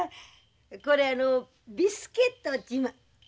これあのビスケット。